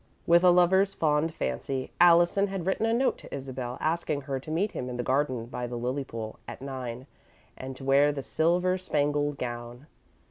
With a lover's fond fancy, Allison had written a note to Isabel, asking her to meet him in the garden by the lily pool, at nine, and to wear the silver spangled gown.